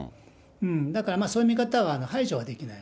だから、そういう見方は排除はできない。